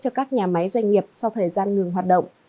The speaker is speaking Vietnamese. cho các nhà máy doanh nghiệp sau thời gian ngừng hoạt động